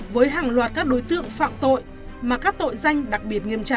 với hàng loạt các đối tượng phạm tội mà các tội danh đặc biệt nghiêm trọng